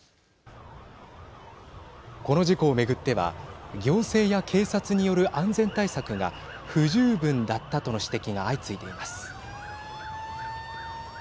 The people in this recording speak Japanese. この事故を巡っては行政や警察による安全対策が不十分だったとの指摘が相次いでいます。